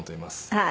はい。